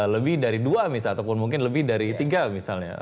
lebih dari dua misalnya ataupun mungkin lebih dari tiga misalnya